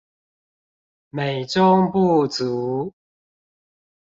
美中不足